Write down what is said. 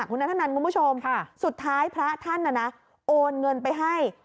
คุณนัทธนันคุณผู้ชมสุดท้ายพระท่านโอนเงินไปให้